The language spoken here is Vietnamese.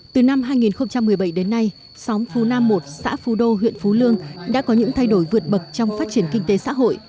từ năm hai nghìn một mươi bảy đến nay xóm phú nam một xã phu đô huyện phú lương đã có những thay đổi vượt bậc trong phát triển kinh tế xã hội